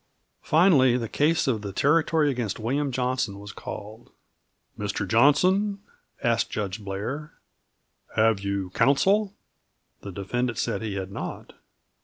Finally the case of the Territory against William Johnson was called. "Mr. Johnson," asked Judge Blair, "have you counsel?" The defendant said he had not.